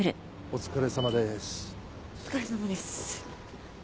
お疲れさまです。